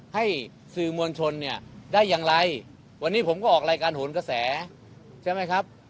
ให้สื่อมวลชนเนี่ยได้อย่างไรวันนี้ผมก็ออกรายการโหนกระแสใช่ไหมครับ